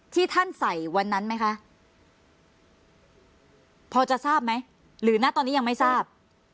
ที่ท่านใส่วันนั้นไหมคะพอจะทราบไหมหรือณตอนนี้ยังไม่ทราบ